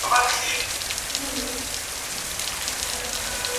پوه سړي د پوهي او علم غوښتنه وکړه.